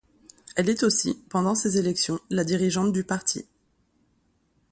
Elle est aussi, pendant ces élections, la dirigeante du parti.